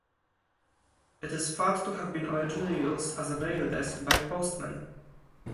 It is thought to have been originally used as a mail desk by postmen.